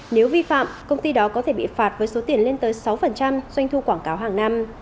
nếu vi phạm công ty đó có thể bị phạt với số tiền lên tới sáu doanh thu quảng cáo hàng năm